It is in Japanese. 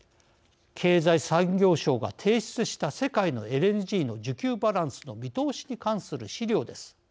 経済産業省が提出した世界のＬＮＧの需給バランスの見通しに関する資料です。